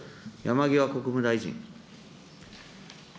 山際国務大臣。